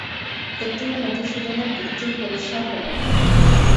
এতেও মধুসূদনের বুদ্ধি খোলসা হল না।